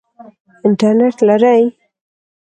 انټرنټ لرئ؟